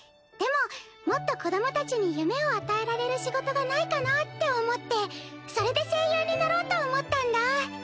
でももっと子供たちに夢を与えられる仕事がないかなぁって思ってそれで声優になろうと思ったんだ。